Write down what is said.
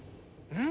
うん？